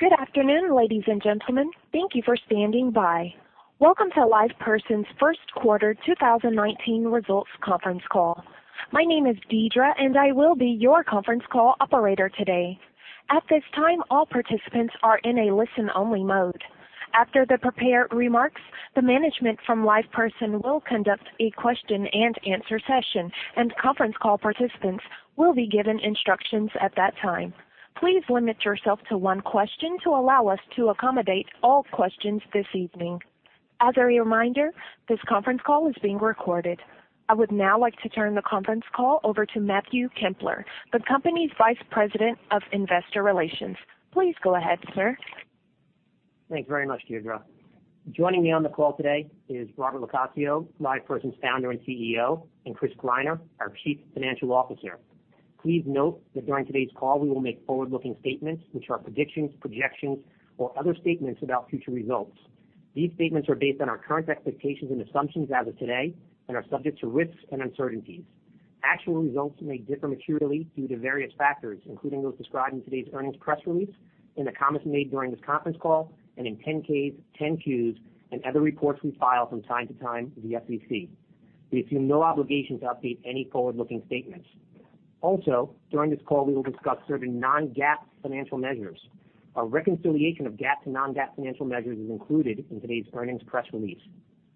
Good afternoon, ladies and gentlemen. Thank you for standing by. Welcome to LivePerson's first quarter 2019 results conference call. My name is Deidra, and I will be your conference call operator today. At this time, all participants are in a listen-only mode. After the prepared remarks, the management from LivePerson will conduct a question and answer session, and conference call participants will be given instructions at that time. Please limit yourself to one question to allow us to accommodate all questions this evening. As a reminder, this conference call is being recorded. I will now like to turn the conference call over to Matthew Kempler, the company's Vice President of Investor Relations. Please go ahead, sir. Thanks very much, Deidra. Joining me on the call today is Robert LoCascio, LivePerson's Founder and CEO, and Christopher Greiner, our Chief Financial Officer. Please note that during today's call, we will make forward-looking statements, which are predictions, projections, or other statements about future results. These statements are based on our current expectations and assumptions as of today, and are subject to risks and uncertainties. Actual results may differ materially due to various factors, including those described in today's earnings press release, in the comments made during this conference call, and in 10-Ks, 10-Qs, and other reports we file from time to time with the SEC. We assume no obligation to update any forward-looking statements. Also, during this call, we will discuss certain non-GAAP financial measures. A reconciliation of GAAP to non-GAAP financial measures is included in today's earnings press release.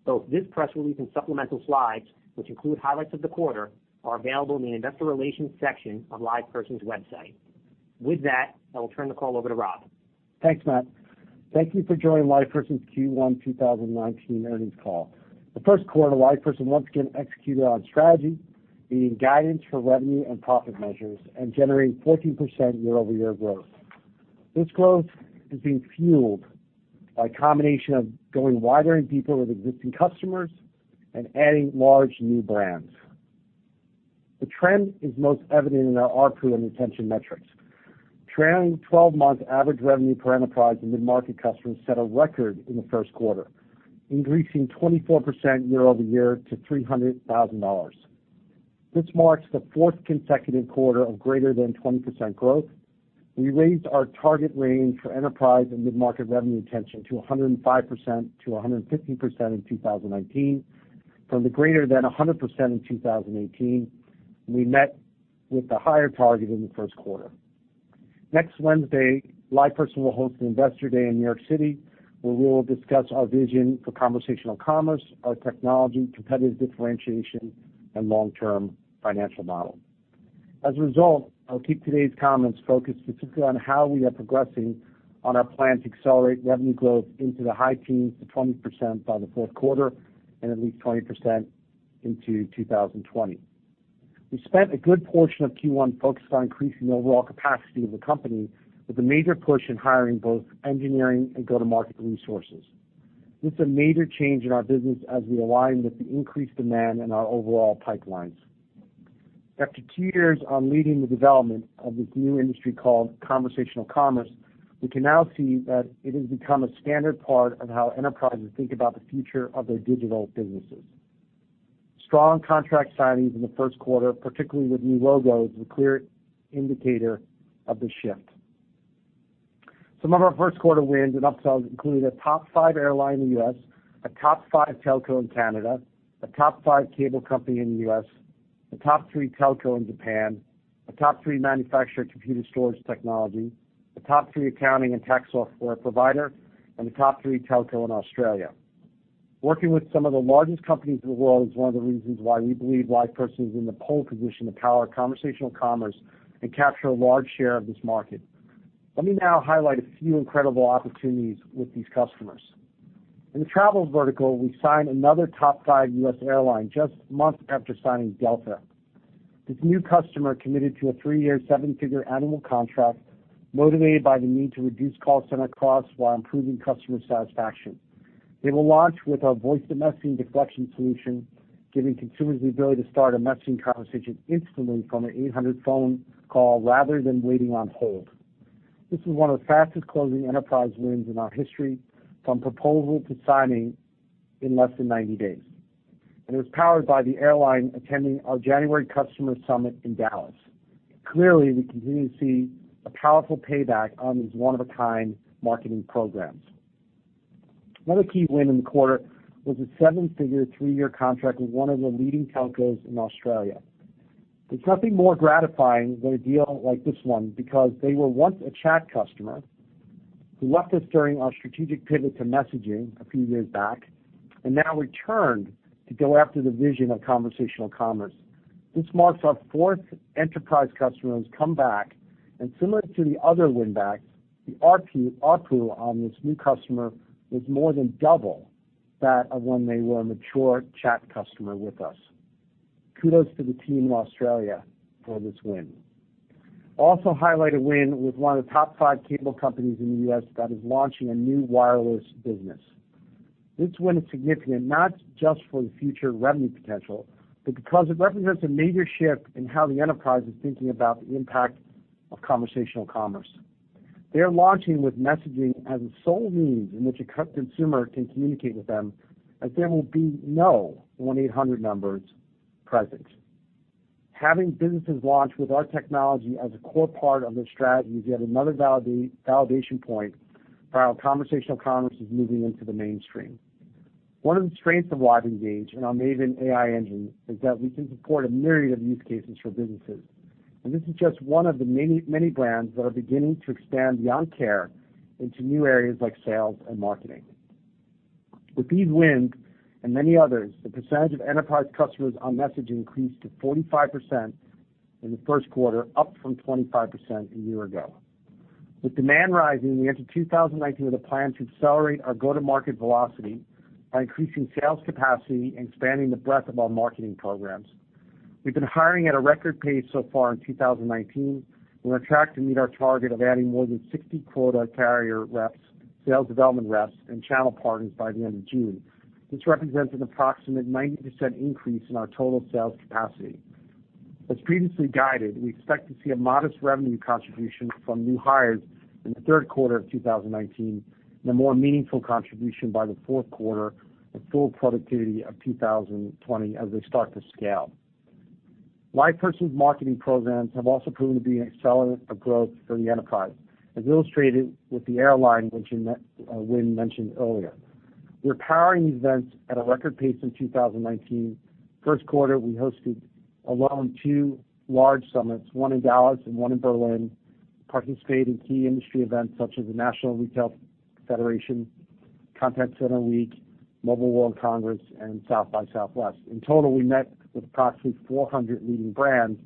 Both this press release and supplemental slides, which include highlights of the quarter, are available in the investor relations section on LivePerson's website. With that, I will turn the call over to Rob. Thanks, Matt. Thank you for joining LivePerson's Q1 2019 earnings call. The first quarter, LivePerson once again executed on strategy, beating guidance for revenue and profit measures and generating 14% year-over-year growth. This growth is being fueled by a combination of going wider and deeper with existing customers and adding large new brands. The trend is most evident in our ARPU and retention metrics. Trailing 12-month average revenue per enterprise and mid-market customers set a record in the first quarter, increasing 24% year-over-year to $300,000. This marks the fourth consecutive quarter of greater than 20% growth. We raised our target range for enterprise and mid-market revenue retention to 105%-115% in 2019 from the greater than 100% in 2018. We met with the higher target in the first quarter. Next Wednesday, LivePerson will host an investor day in New York City, where we will discuss our vision for conversational commerce, our technology, competitive differentiation, and long-term financial model. I'll keep today's comments focused specifically on how we are progressing on our plan to accelerate revenue growth into the high teens to 20% by the fourth quarter and at least 20% into 2020. We spent a good portion of Q1 focused on increasing the overall capacity of the company with a major push in hiring both engineering and go-to-market resources. This is a major change in our business as we align with the increased demand in our overall pipelines. After two years on leading the development of this new industry called conversational commerce, we can now see that it has become a standard part of how enterprises think about the future of their digital businesses. Strong contract signings in the first quarter, particularly with new logos, a clear indicator of the shift. Some of our first quarter wins and upsells include a top 5 airline in the U.S., a top 5 telco in Canada, a top 5 cable company in the U.S., a top 3 telco in Japan, a top 3 manufacturer of computer storage technology, a top 3 accounting and tax software provider, and a top 3 telco in Australia. Working with some of the largest companies in the world is one of the reasons why we believe LivePerson is in the pole position to power conversational commerce and capture a large share of this market. Let me now highlight a few incredible opportunities with these customers. In the travel vertical, we signed another top 5 U.S. airline just months after signing Delta. This new customer committed to a three-year, seven-figure annual contract motivated by the need to reduce call center costs while improving customer satisfaction. They will launch with our voice to messaging deflection solution, giving consumers the ability to start a messaging conversation instantly from an 800 phone call rather than waiting on hold. This is one of the fastest-closing enterprise wins in our history, from proposal to signing in less than 90 days. It was powered by the airline attending our January customer summit in Dallas. Clearly, we continue to see a powerful payback on these one-of-a-kind marketing programs. Another key win in the quarter was a seven-figure, three-year contract with one of the leading telcos in Australia. There's nothing more gratifying than a deal like this one because they were once a chat customer who left us during our strategic pivot to messaging a few years back and now returned to go after the vision of conversational commerce. This marks our fourth enterprise customer who's come back. Similar to the other win backs, the ARPU on this new customer was more than double that of when they were a mature chat customer with us. Kudos to the team in Australia for this win. Also highlight a win with one of the top 5 cable companies in the U.S. that is launching a new wireless business. This win is significant, not just for the future revenue potential, but because it represents a major shift in how the enterprise is thinking about the impact of conversational commerce. They are launching with messaging as a sole means in which a consumer can communicate with them, as there will be no 1-800 numbers present. Having businesses launch with our technology as a core part of their strategy is yet another validation point for how conversational commerce is moving into the mainstream. One of the strengths of LiveEngage and our Maven AI engine is that we can support a myriad of use cases for businesses, and this is just one of the many brands that are beginning to expand beyond care into new areas like sales and marketing. With these wins and many others, the percentage of enterprise customers on messaging increased to 45% in the first quarter, up from 25% a year ago. With demand rising, we entered 2019 with a plan to accelerate our go-to-market velocity by increasing sales capacity and expanding the breadth of our marketing programs. We've been hiring at a record pace so far in 2019. We're on track to meet our target of adding more than 60 quota carrier reps, sales development reps, and channel partners by the end of June. This represents an approximate 90% increase in our total sales capacity. As previously guided, we expect to see a modest revenue contribution from new hires in the third quarter of 2019, and a more meaningful contribution by the fourth quarter, with full productivity of 2020 as they start to scale. LivePerson's marketing programs have also proven to be an accelerant of growth for the enterprise. As illustrated with the airline win mentioned earlier. We are powering these events at a record pace in 2019. First quarter, we hosted alone two large summits, one in Dallas and one in Berlin, participated in key industry events such as the National Retail Federation, Customer Contact Week, Mobile World Congress, and South by Southwest. In total, we met with approximately 400 leading brands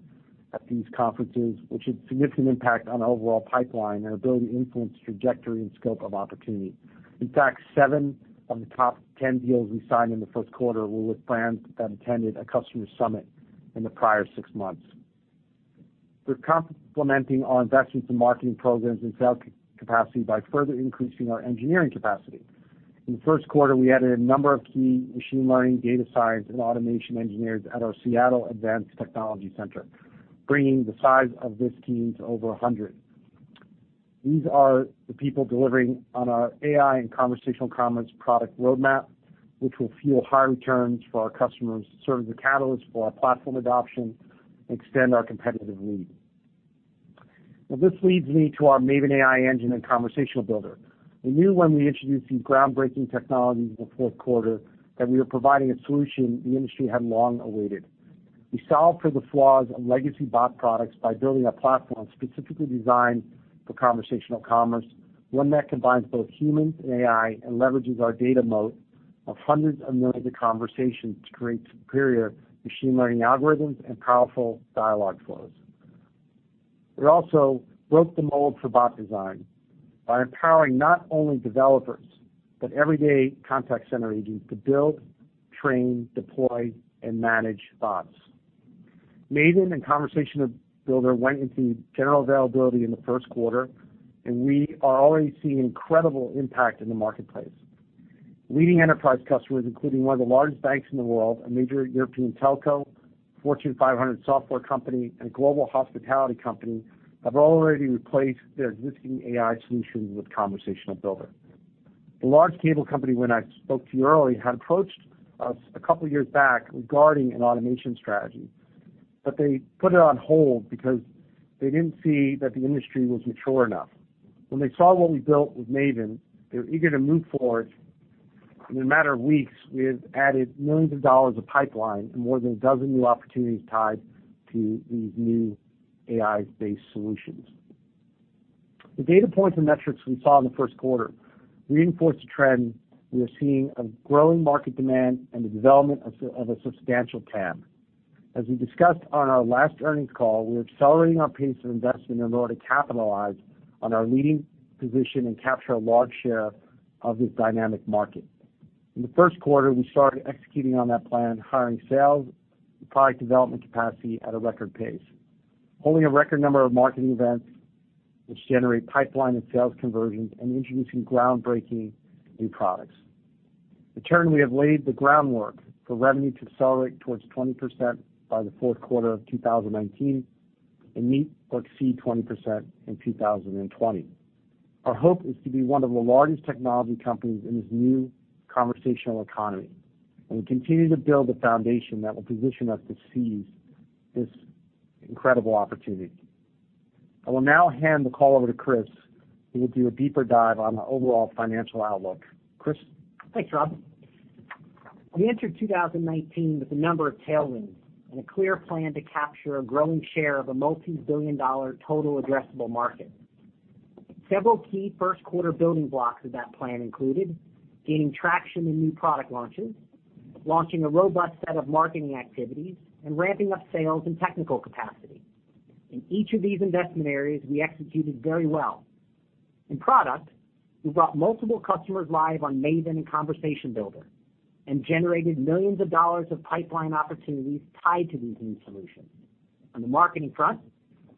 at these conferences, which had significant impact on our overall pipeline and our ability to influence trajectory and scope of opportunity. In fact, seven of the top 10 deals we signed in the first quarter were with brands that attended a customer summit in the prior six months. We're complementing our investments in marketing programs and sales capacity by further increasing our engineering capacity. In the first quarter, we added a number of key machine learning, data science, and automation engineers at our North American Advanced Technology Center, bringing the size of this team to over 100. These are the people delivering on our AI and conversational commerce product roadmap, which will fuel high returns for our customers, serve as a catalyst for our platform adoption, and extend our competitive lead. This leads me to our Maven AI engine and Conversation Builder. We knew when we introduced these groundbreaking technologies in the fourth quarter that we were providing a solution the industry had long awaited. We solved for the flaws of legacy bot products by building a platform specifically designed for conversational commerce, one that combines both humans and AI and leverages our data moat of hundreds of millions of conversations to create superior machine learning algorithms and powerful dialogue flows. We also broke the mold for bot design by empowering not only developers, but everyday contact center agents to build, train, deploy, and manage bots. Maven and Conversation Builder went into general availability in the first quarter. We are already seeing incredible impact in the marketplace. Leading enterprise customers, including one of the largest banks in the world, a major European telco, Fortune 500 software company, and a global hospitality company, have already replaced their existing AI solutions with Conversation Builder. The large cable company, when I spoke to you earlier, had approached us a couple of years back regarding an automation strategy, but they put it on hold because they didn't see that the industry was mature enough. When they saw what we built with Maven, they were eager to move forward. In a matter of weeks, we have added millions of dollars of pipeline and more than a dozen new opportunities tied to these new AI-based solutions. The data points and metrics we saw in the first quarter reinforce the trend we are seeing of growing market demand and the development of a substantial TAM. As we discussed on our last earnings call, we're accelerating our pace of investment in order to capitalize on our leading position and capture a large share of this dynamic market. In the first quarter, we started executing on that plan, hiring sales, and product development capacity at a record pace, holding a record number of marketing events which generate pipeline and sales conversions, and introducing groundbreaking new products. In turn, we have laid the groundwork for revenue to accelerate towards 20% by the fourth quarter of 2019 and meet or exceed 20% in 2020. Our hope is to be one of the largest technology companies in this new conversational economy. We continue to build the foundation that will position us to seize this incredible opportunity. I will now hand the call over to Chris, who will do a deeper dive on our overall financial outlook. Chris? Thanks, Rob. We entered 2019 with a number of tailwinds and a clear plan to capture a growing share of a multi-billion dollar total addressable market. Several key first quarter building blocks of that plan included gaining traction in new product launches, launching a robust set of marketing activities, and ramping up sales and technical capacity. In each of these investment areas, we executed very well. In product, we brought multiple customers live on Maven and Conversation Builder and generated millions of dollars of pipeline opportunities tied to these new solutions. On the marketing front,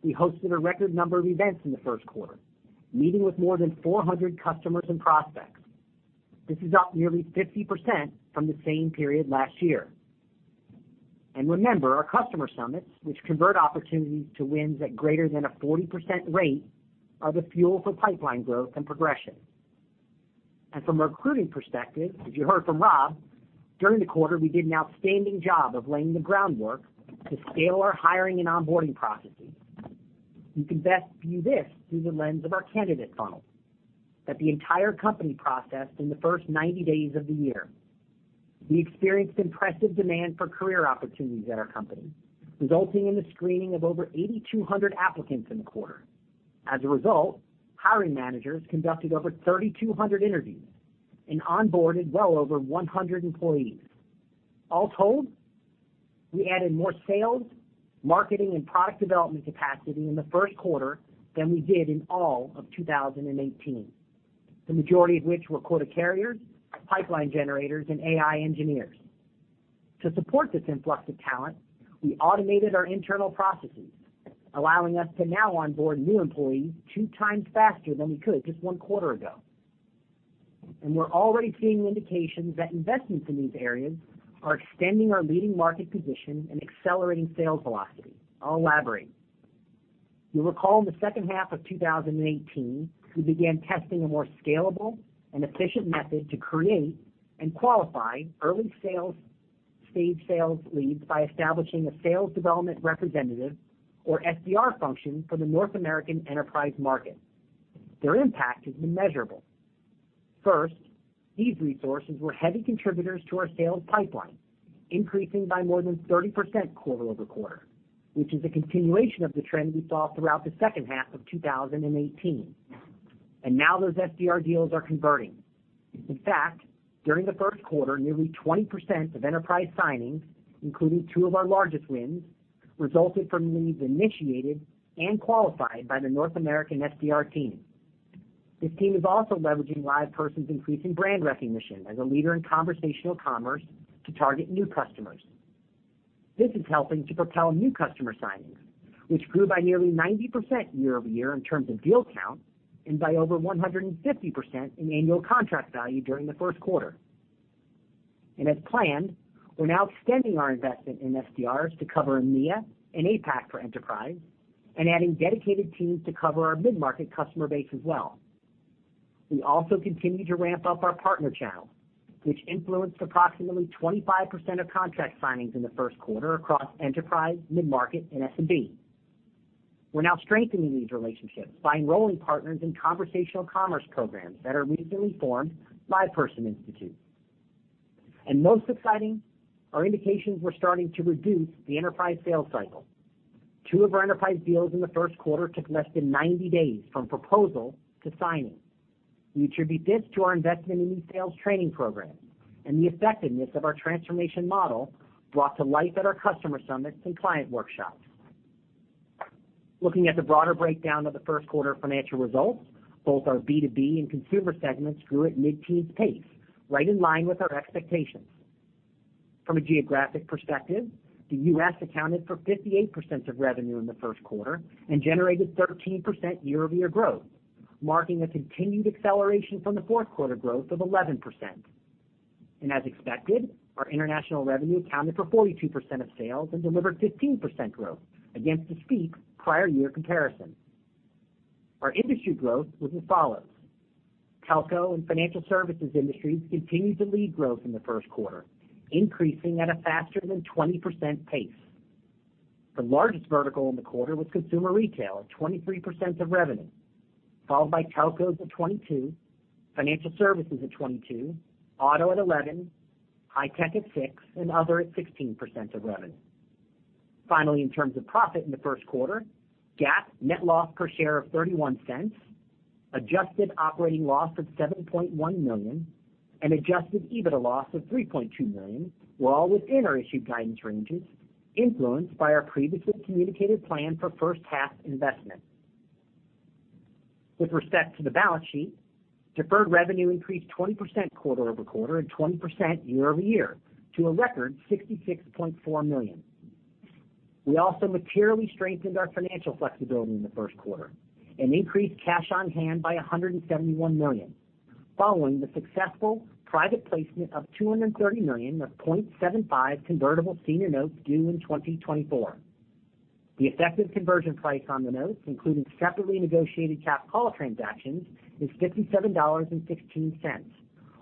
we hosted a record number of events in the first quarter, meeting with more than 400 customers and prospects. This is up nearly 50% from the same period last year. Remember, our customer summits, which convert opportunities to wins at greater than a 40% rate, are the fuel for pipeline growth and progression. From a recruiting perspective, as you heard from Rob, during the quarter, we did an outstanding job of laying the groundwork to scale our hiring and onboarding processes. You can best view this through the lens of our candidate funnel that the entire company processed in the first 90 days of the year. We experienced impressive demand for career opportunities at our company, resulting in the screening of over 8,200 applicants in the quarter. As a result, hiring managers conducted over 3,200 interviews and onboarded well over 100 employees. All told, we added more sales, marketing, and product development capacity in the first quarter than we did in all of 2018, the majority of which were quota carriers, pipeline generators, and AI engineers. To support this influx of talent, we automated our internal processes, allowing us to now onboard new employees two times faster than we could just one quarter ago. We're already seeing indications that investments in these areas are extending our leading market position and accelerating sales velocity. I'll elaborate. You'll recall in the second half of 2018, we began testing a more scalable and efficient method to create and qualify early stage sales leads by establishing a sales development representative or SDR function for the North American enterprise market. Their impact has been measurable. First, these resources were heavy contributors to our sales pipeline, increasing by more than 30% quarter-over-quarter, which is a continuation of the trend we saw throughout the second half of 2018. Now those SDR deals are converting. In fact, during the first quarter, nearly 20% of enterprise signings, including two of our largest wins, resulted from leads initiated and qualified by the North American SDR team. This team is also leveraging LivePerson's increasing brand recognition as a leader in conversational commerce to target new customers. This is helping to propel new customer signings, which grew by nearly 90% year-over-year in terms of deal count and by over 150% in annual contract value during the first quarter. As planned, we're now extending our investment in SDRs to cover EMEA and APAC for enterprise and adding dedicated teams to cover our mid-market customer base as well. We also continue to ramp up our partner channel, which influenced approximately 25% of contract signings in the first quarter across enterprise, mid-market, and SMB. We're now strengthening these relationships by enrolling partners in conversational commerce programs at our recently formed LivePerson Institute. Most exciting, are indications we're starting to reduce the enterprise sales cycle. Two of our enterprise deals in the first quarter took less than 90 days from proposal to signing. We attribute this to our investment in new sales training programs and the effectiveness of our transformation model brought to life at our customer summits and client workshops. Looking at the broader breakdown of the first quarter financial results, both our B2B and consumer segments grew at mid-teens pace, right in line with our expectations. From a geographic perspective, the U.S. accounted for 58% of revenue in the first quarter and generated 13% year-over-year growth, marking a continued acceleration from the fourth quarter growth of 11%. As expected, our international revenue accounted for 42% of sales and delivered 15% growth against a steep prior year comparison. Our industry growth was as follows. Telco and financial services industries continued to lead growth in the first quarter, increasing at a faster than 20% pace. The largest vertical in the quarter was consumer retail at 23% of revenue, followed by telcos at 22%, financial services at 22%, auto at 11%, high tech at six%, and other at 16% of revenue. Finally, in terms of profit in the first quarter, GAAP net loss per share of $0.31, adjusted operating loss of $7.1 million, and adjusted EBITDA loss of $3.2 million were all within our issued guidance ranges, influenced by our previously communicated plan for first half investment. With respect to the balance sheet, deferred revenue increased 20% quarter-over-quarter and 20% year-over-year to a record $66.4 million. We also materially strengthened our financial flexibility in the first quarter and increased cash on hand by $171 million, following the successful private placement of $230 million of 0.75% convertible senior notes due in 2024. The effective conversion price on the notes, including separately negotiated cap call transactions, is $57.16,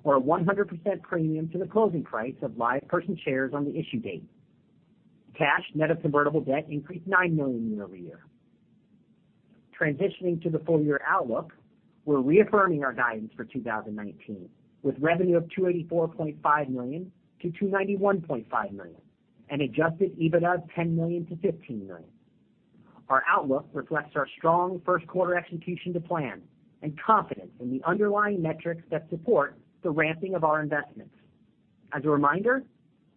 or a 100% premium to the closing price of LivePerson shares on the issue date. Cash net of convertible debt increased $9 million year-over-year. Transitioning to the full year outlook, we are reaffirming our guidance for 2019, with revenue of $284.5 million-$291.5 million and adjusted EBITDA of $10 million-$15 million. Our outlook reflects our strong first quarter execution to plan and confidence in the underlying metrics that support the ramping of our investments. As a reminder,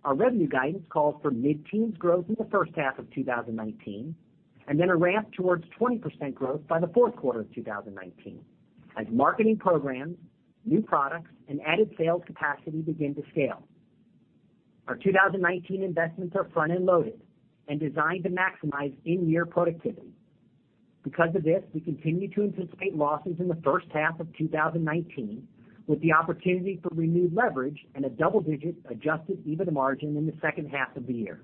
our revenue guidance calls for mid-teens growth in the first half of 2019, and then a ramp towards 20% growth by the fourth quarter of 2019 as marketing programs, new products, and added sales capacity begin to scale. Our 2019 investments are front and loaded and designed to maximize in-year productivity. Because of this, we continue to anticipate losses in the first half of 2019, with the opportunity for renewed leverage and a double-digit adjusted EBITDA margin in the second half of the year.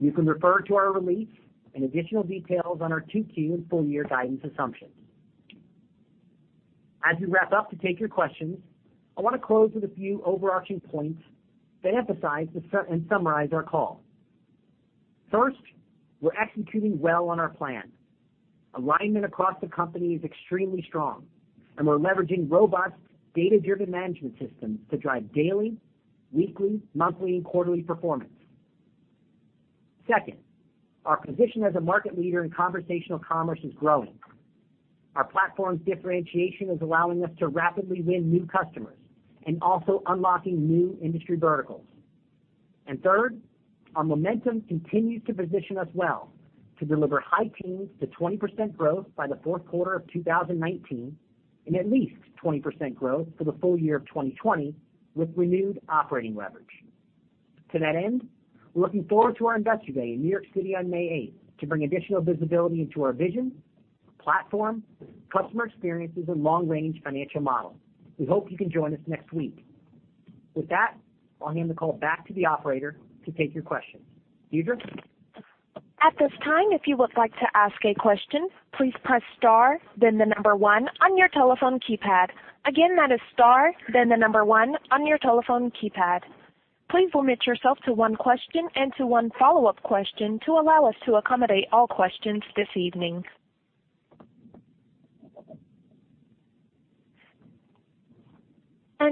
You can refer to our release and additional details on our two-tier and full-year guidance assumptions. As we wrap up to take your questions, I want to close with a few overarching points that emphasize and summarize our call. First, we are executing well on our plan. Alignment across the company is extremely strong, and we are leveraging robust data-driven management systems to drive daily, weekly, monthly, and quarterly performance. Second, our position as a market leader in conversational commerce is growing. Our platform's differentiation is allowing us to rapidly win new customers and also unlocking new industry verticals. Third, our momentum continues to position us well to deliver high teens to 20% growth by the fourth quarter of 2019 and at least 20% growth for the full year of 2020 with renewed operating leverage. To that end, we are looking forward to our Investor Day in New York City on May 8th to bring additional visibility into our vision, platform, customer experiences, and long-range financial model. We hope you can join us next week. With that, I will hand the call back to the operator to take your questions. Eugene? At this time, if you would like to ask a question, please press star, then the number 1 on your telephone keypad. Again, that is star, then the number 1 on your telephone keypad. Please limit yourself to one question and to one follow-up question to allow us to accommodate all questions this evening.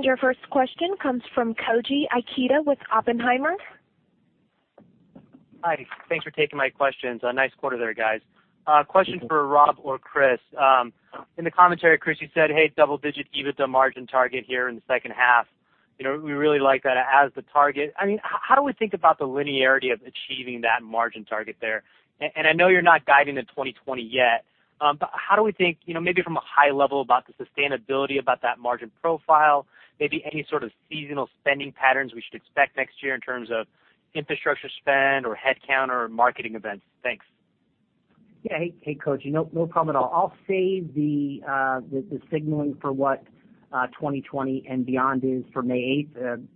Your first question comes from Koji Ikeda with Oppenheimer. Hi. Thanks for taking my questions. A nice quarter there, guys. Thank you. A question for Rob or Chris. In the commentary, Chris, you said, hey, double-digit EBITDA margin target here in the second half. We really like that as the target. How do we think about the linearity of achieving that margin target there? I know you're not guiding to 2020 yet, but how do we think, maybe from a high level, about the sustainability about that margin profile, maybe any sort of seasonal spending patterns we should expect next year in terms of infrastructure spend or headcount or marketing events? Thanks. Hey, Koji. No problem at all. I'll save the signaling for what 2020 and beyond is for May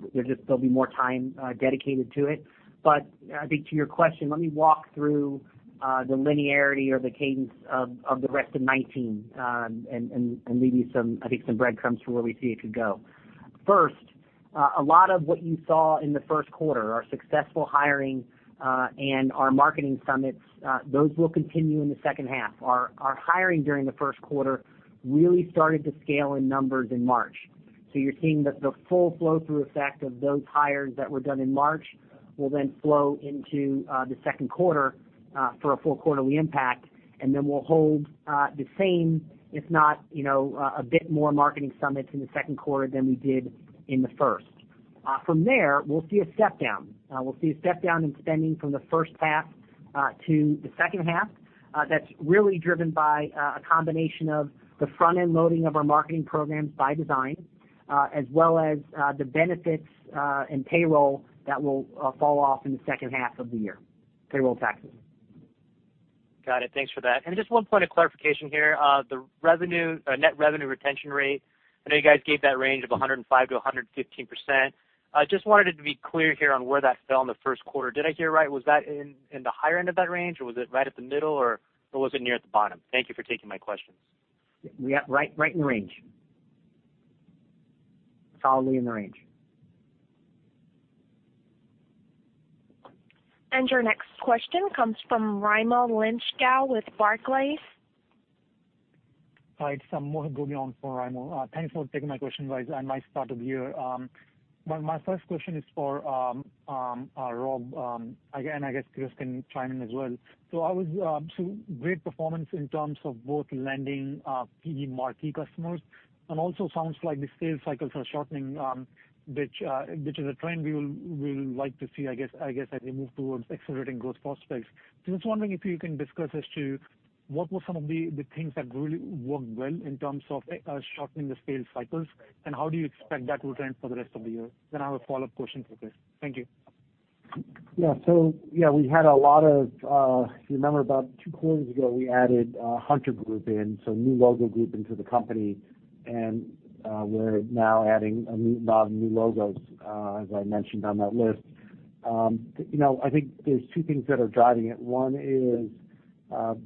8th. There'll be more time dedicated to it. I think to your question, let me walk through the linearity or the cadence of the rest of 2019, and leave you some breadcrumbs for where we see it could go. First, a lot of what you saw in the first quarter, our successful hiring, and our marketing summits, those will continue in the second half. Our hiring during the first quarter really started to scale in numbers in March. You're seeing that the full flow-through effect of those hires that were done in March will then flow into the second quarter for a full quarterly impact, and then we'll hold the same, if not a bit more marketing summits in the second quarter than we did in the first. From there, we'll see a step down. We'll see a step down in spending from the first half to the second half. That's really driven by a combination of the front-end loading of our marketing programs by design as well as the benefits in payroll that will fall off in the second half of the year, payroll taxes. Got it. Thanks for that. Just one point of clarification here. The net revenue retention rate, I know you guys gave that range of 105%-115%. I just wanted to be clear here on where that fell in the first quarter. Did I hear right? Was that in the higher end of that range, or was it right at the middle, or was it near at the bottom? Thank you for taking my questions. Right in range. Solidly in the range. Your next question comes from Raimo Lenschow with Barclays. Hi, it's Mohit Ghumman for Raimo. Thanks for taking my question, guys, and nice start of the year. My first question is for Rob, and I guess Chris can chime in as well. I would assume great performance in terms of both landing PE marquee customers, and also sounds like the sales cycles are shortening, which is a trend we would like to see, I guess, as we move towards accelerating growth prospects. I was wondering if you can discuss as to what were some of the things that really worked well in terms of shortening the sales cycles, and how do you expect that will trend for the rest of the year? I have a follow-up question for Chris. Thank you. We had a lot of. If you remember about two quarters ago, we added The Hunter Group in, a new logo group into the company, and we're now adding a lot of new logos, as I mentioned on that list. I think there's two things that are driving it. One is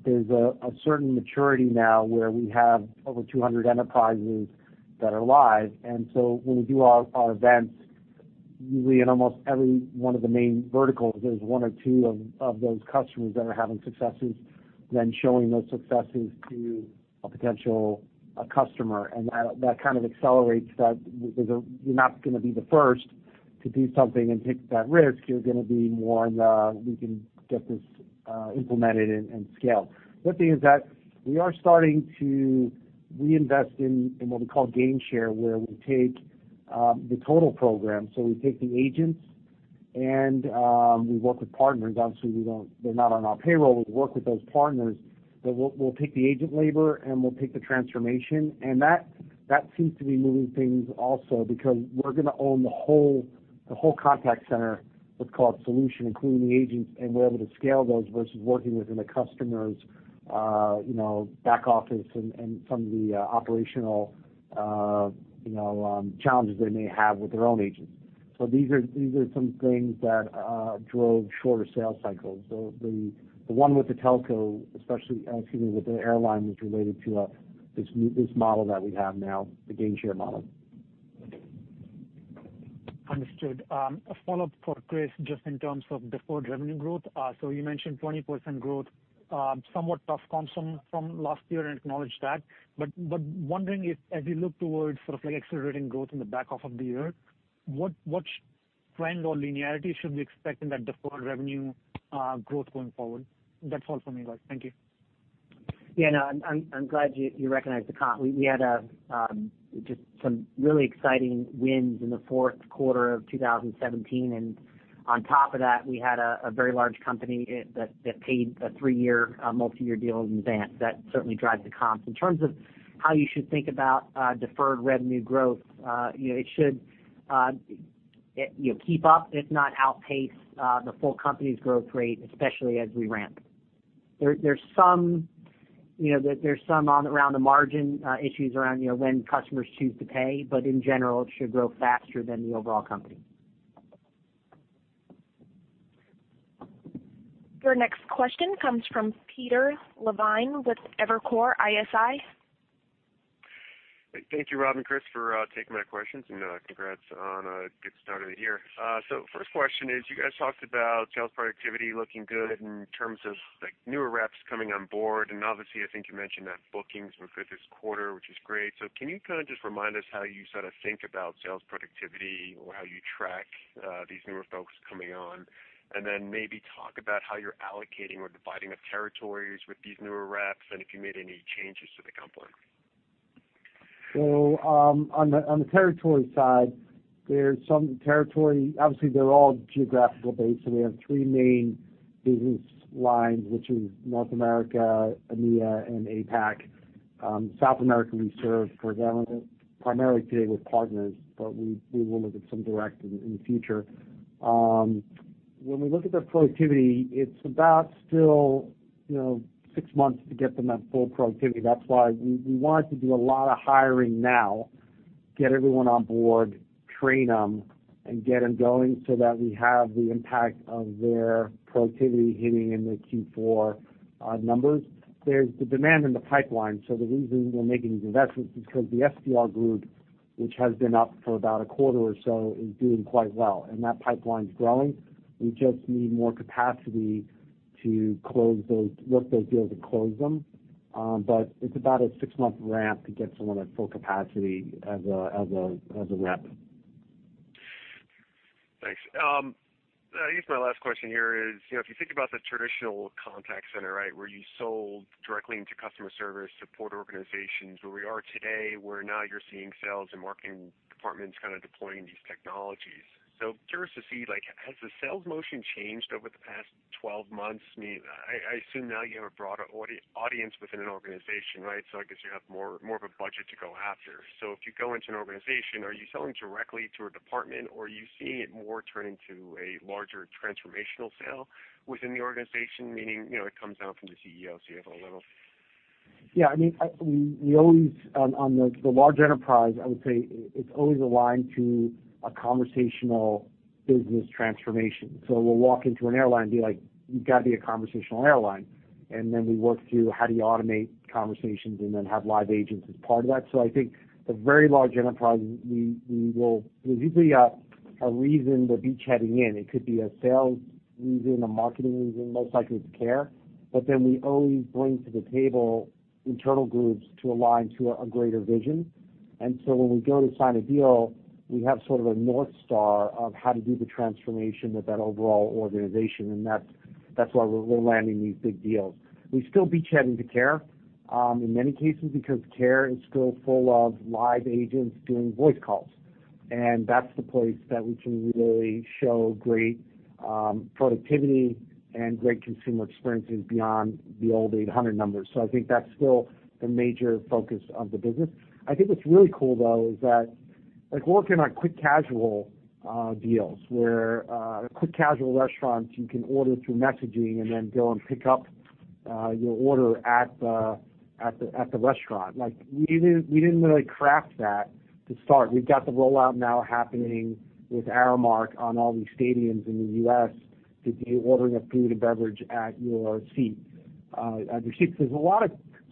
there's a certain maturity now where we have over 200 enterprises that are live, when we do our events, usually in almost every one of the main verticals, there's one or two of those customers that are having successes, then showing those successes to a potential customer, and that kind of accelerates that. You're not going to be the first to do something and take that risk. You're going to be more in the, we can get this implemented and scaled. The other thing is that we are starting to reinvest in what we call gain share, where we take the total program. We take the agents, and we work with partners. Obviously, they're not on our payroll. We work with those partners, but we'll take the agent labor, and we'll take the transformation. That seems to be moving things also because we're going to own the whole contact center, let's call it solution, including the agents, and we're able to scale those versus working within a customer's back office and some of the operational challenges they may have with their own agents. These are some things that drove shorter sales cycles. The one with the telco, especially, excuse me, with the airline, was related to this model that we have now, the gain share model. Understood. A follow-up for Chris, just in terms of deferred revenue growth. You mentioned 20% growth, somewhat tough comps from last year and acknowledged that. Wondering if, as we look towards sort of accelerating growth in the back half of the year, what trend or linearity should we expect in that deferred revenue growth going forward? That's all from me, guys. Thank you. I'm glad you recognized the comp. We had just some really exciting wins in the fourth quarter of 2017, and on top of that, we had a very large company that paid a three-year, multi-year deal in advance. That certainly drives the comps. In terms of how you should think about deferred revenue growth, it should keep up, if not outpace, the full company's growth rate, especially as we ramp. There's some around the margin issues around when customers choose to pay, in general, it should grow faster than the overall company. Your next question comes from Peter Levine with Evercore ISI. Thank you, Rob and Chris, for taking my questions, and congrats on a good start of the year. First question is, you guys talked about sales productivity looking good in terms of newer reps coming on board, obviously, I think you mentioned that bookings were good this quarter, which is great. Can you kind of just remind us how you sort of think about sales productivity or how you track these newer folks coming on? Then maybe talk about how you're allocating or dividing up territories with these newer reps and if you made any changes to the comp plan. On the territory side, obviously they're all geographical based, we have 3 main business lines, which is North America, EMEA, and APAC. South America we serve, for example, primarily today with partners, but we will look at some direct in the future. When we look at their productivity, it's about still 6 months to get them at full productivity. That's why we wanted to do a lot of hiring now, get everyone on board, train them, and get them going so that we have the impact of their productivity hitting in the Q4 numbers. There's the demand in the pipeline. The reason we're making these investments is because the SDR group, which has been up for about a quarter or so, is doing quite well, and that pipeline's growing. We just need more capacity to work those deals and close them. It's about a 6-month ramp to get someone at full capacity as a rep. Thanks. I guess my last question here is, if you think about the traditional contact center, right, where you sold directly into customer service, support organizations, where we are today, where now you're seeing sales and marketing departments kind of deploying these technologies. Curious to see, has the sales motion changed over the past 12 months? I assume now you have a broader audience within an organization, right? I guess you have more of a budget to go after. If you go into an organization, are you selling directly to a department, or are you seeing it more turn into a larger transformational sale within the organization? Meaning, it comes down from the CEO. On the large enterprise, I would say it's always aligned to a conversational business transformation. We'll walk into an airline and be like, "You've got to be a conversational airline." Then we work through how do you automate conversations and then have live agents as part of that. I think the very large enterprise, there's usually a reason that beachheading in. It could be a sales reason, a marketing reason, most likely it's care. Then we always bring to the table internal groups to align to a greater vision. When we go to sign a deal, we have sort of a North Star of how to do the transformation with that overall organization, and that's why we're landing these big deals. We still beachhead into care in many cases because care is still full of live agents doing voice calls. That's the place that we can really show great productivity and great consumer experiences beyond the old 800 numbers. I think that's still the major focus of the business. I think what's really cool, though, is that, like working on quick casual deals where quick casual restaurants you can order through messaging and then go and pick up your order at the restaurant. We didn't really craft that to start. We've got the rollout now happening with Aramark on all these stadiums in the U.S. to be ordering up food and beverage at your seats.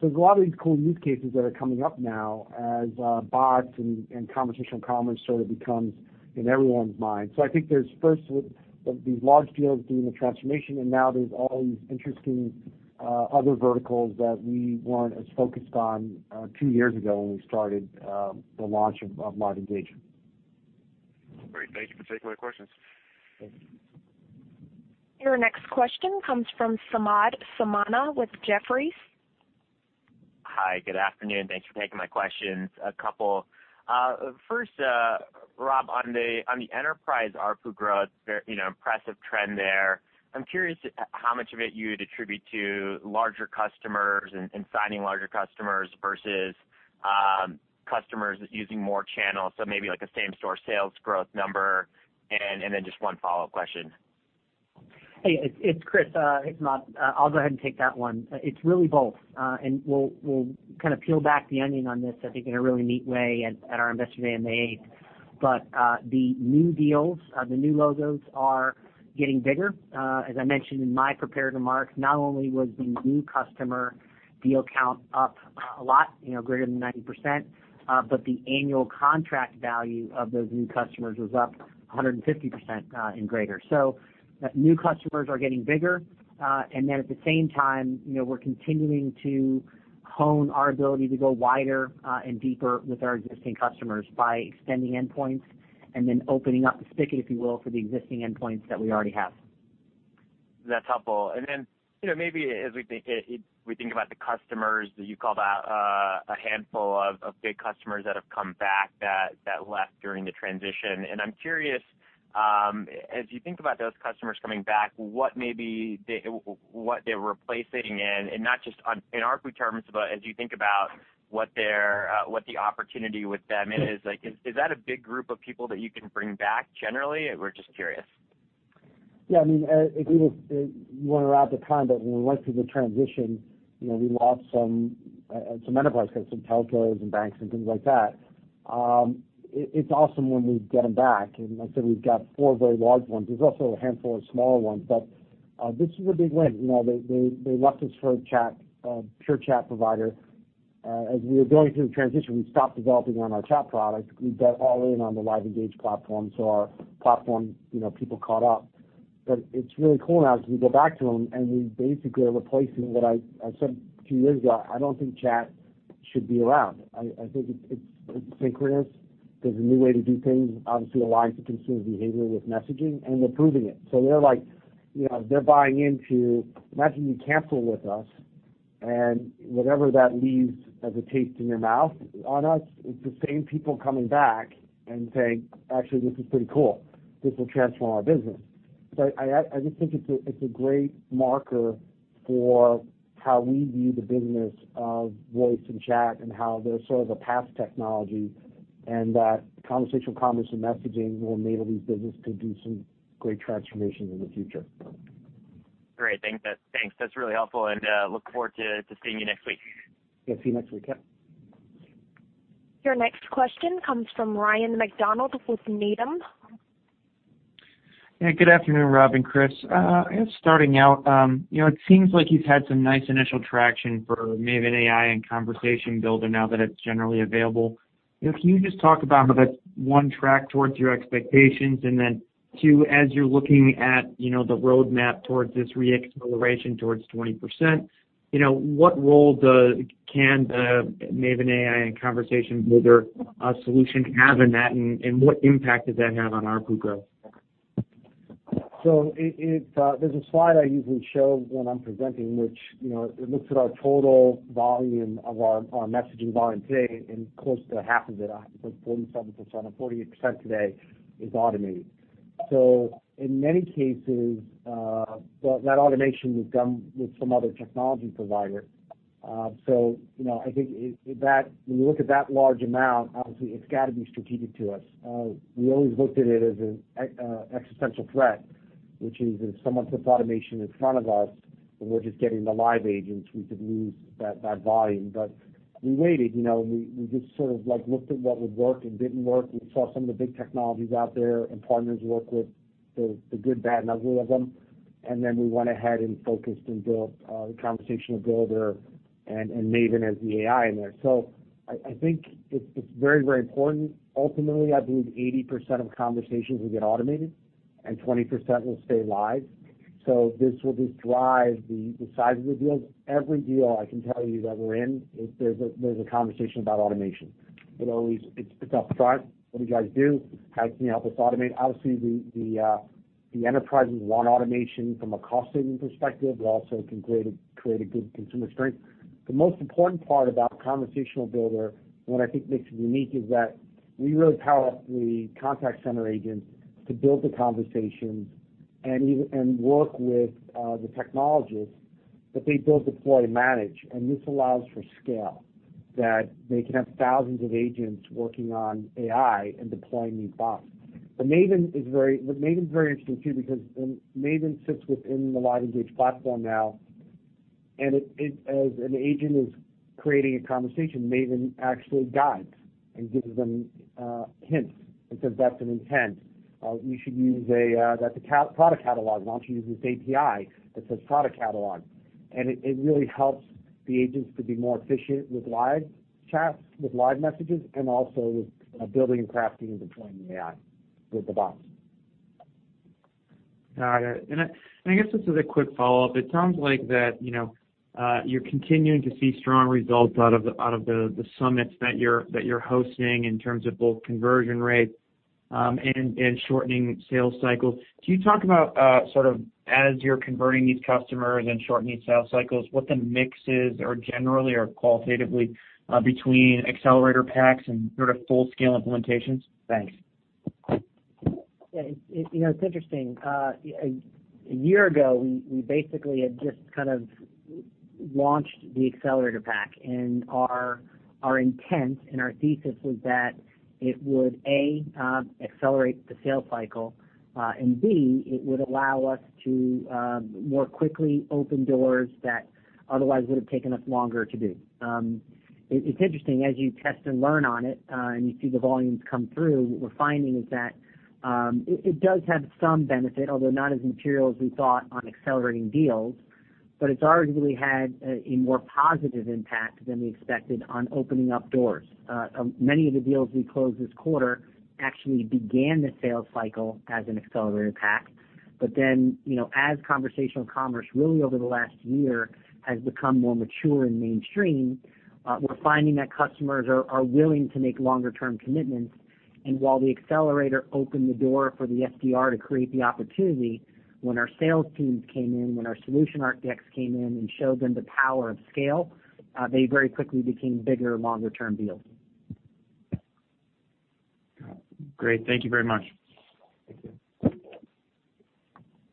There's a lot of these cool use cases that are coming up now as bots and conversational commerce sort of becomes in everyone's mind. I think there's first these large deals doing the transformation, and now there's all these interesting other verticals that we weren't as focused on two years ago when we started the launch of LiveEngage. Great. Thank you for taking my questions. Thanks. Your next question comes from Samad Samana with Jefferies. Hi, good afternoon. Thanks for taking my questions. A couple. First, Rob, on the enterprise ARPU growth, impressive trend there. I'm curious how much of it you would attribute to larger customers and signing larger customers versus customers using more channels, so maybe like a same-store sales growth number. Just one follow-up question. Hey, it's Chris. I'll go ahead and take that one. It's really both. We'll kind of peel back the onion on this, I think, in a really neat way at our Investor Day on the eighth. The new deals, the new logos are getting bigger. As I mentioned in my prepared remarks, not only was the new customer deal count up a lot, greater than 90%, but the annual contract value of those new customers was up 150% and greater. New customers are getting bigger. At the same time, we're continuing to hone our ability to go wider and deeper with our existing customers by extending endpoints and then opening up the spigot, if you will, for the existing endpoints that we already have. That's helpful. Maybe as we think about the customers, you called out a handful of big customers that have come back that left during the transition. I'm curious, as you think about those customers coming back, what they're replacing and not just on ARPU terms, but as you think about what the opportunity with them is. Is that a big group of people that you can bring back generally? We're just curious. Yeah. I mean, if you want to wrap the time, when we went through the transition, we lost some enterprise customers, some telcos and banks and things like that. It's awesome when we get them back. Like I said, we've got four very large ones. There's also a handful of smaller ones. This is a big win. They left us for a pure chat provider. As we were going through the transition, we stopped developing on our chat product. We bet all in on the LiveEngage platform. Our platform people caught up. It's really cool now because we go back to them, and we basically are replacing what I said two years ago, I don't think chat should be around. I think it's synchronous. There's a new way to do things, obviously aligned to consumer behavior with messaging. They're proving it. They're buying into, imagine you cancel with us and whatever that leaves as a taste in your mouth on us, it's the same people coming back and saying, "Actually, this is pretty cool. This will transform our business." I just think it's a great marker for how we view the business of voice and chat and how they're sort of a past technology, and that conversational commerce and messaging will enable these business to do some great transformations in the future. Great. Thanks. That's really helpful. Look forward to seeing you next week. Yeah. See you next week. Yeah. Your next question comes from Ryan MacDonald with Needham. Yeah. Good afternoon, Rob and Chris. I guess starting out, it seems like you've had some nice initial traction for Maven AI and Conversation Builder now that it's generally available. Can you just talk about how that's one track towards your expectations and then two, as you're looking at the roadmap towards this re-acceleration towards 20%, what role can the Maven AI and Conversation Builder solution have in that, and what impact does that have on ARPU growth? There's a slide I usually show when I'm presenting, which it looks at our total volume of our messaging volume today, and close to half of it, I think 47% or 48% today is automated. In many cases, that automation was done with some other technology provider. I think when you look at that large amount, obviously, it's got to be strategic to us. We always looked at it as an existential threat, which is if someone puts automation in front of us when we're just getting the live agents, we could lose that volume. We waited. We just sort of looked at what would work and didn't work. We saw some of the big technologies out there and partners work with the good, bad and ugly of them. We went ahead and focused and built Conversation Builder and Maven as the AI in there. I think it's very important. Ultimately, I believe 80% of conversations will get automated and 20% will stay live. This will just drive the size of the deals. Every deal I can tell you that we're in, there's a conversation about automation. It's up front. What do you guys do? How can you help us automate? Obviously, the enterprises want automation from a cost-saving perspective, but also it can create a good consumer experience. The most important part about Conversation Builder and what I think makes it unique is that we really power up the contact center agents to build the conversations and work with the technologists that they build, deploy, and manage. This allows for scale, that they can have thousands of agents working on AI and deploying these bots. Maven is very interesting too, because Maven sits within the LiveEngage platform now, and as an agent is creating a conversation, Maven actually guides and gives them hints and says, "That's an intent. That's a product catalog. Why don't you use this API that says product catalog?" It really helps the agents to be more efficient with live chats, with live messages, and also with building and crafting and deploying the AI with the bots. All right. I guess this is a quick follow-up. It sounds like that you're continuing to see strong results out of the summits that you're hosting in terms of both conversion rates and shortening sales cycles. Can you talk about sort of as you're converting these customers and shortening sales cycles, what the mix is, or generally or qualitatively between Accelerator packs and sort of full-scale implementations? Thanks. It's interesting. A year ago, we basically had just launched the Accelerator pack, and our intent and our thesis was that it would, A, accelerate the sales cycle, and B, it would allow us to more quickly open doors that otherwise would have taken us longer to do. It's interesting, as you test and learn on it, and you see the volumes come through, what we're finding is that it does have some benefit, although not as material as we thought on accelerating deals, it's arguably had a more positive impact than we expected on opening up doors. Many of the deals we closed this quarter actually began the sales cycle as an Accelerator pack. As conversational commerce really over the last year has become more mature and mainstream, we're finding that customers are willing to make longer-term commitments. While the Accelerator opened the door for the SDR to create the opportunity, when our sales teams came in, when our solution architects came in and showed them the power of scale, they very quickly became bigger, longer-term deals. Got it. Great. Thank you very much. Thank you.